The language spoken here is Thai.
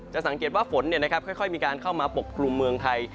จะสังเกตว่าฝนเนี่ยนะครับค่อยมีการเข้ามาปกปรุงเมืองไทย